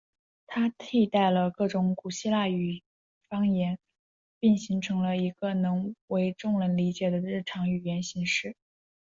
它替代了各种古希腊语方言并形成了一个能为众人理解的日常语言形式。